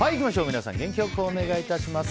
皆さん、元気良くお願いします。